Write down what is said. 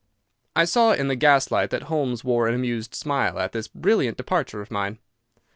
I saw in the gaslight that Holmes wore an amused smile at this brilliant departure of mine.